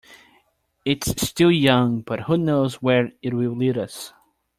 It's still young, but who knows where it will lead us.